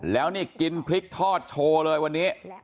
แล้วนี่กินพริกทอดโชว์เลยวันนี้